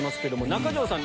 中条さん